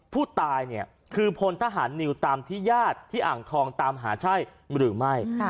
ผู้ตายเนี่ยคือพลทหารนิวตามที่ญาติที่อ่างทองตามหาใช่หรือไม่